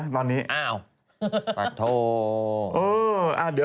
นั่นไง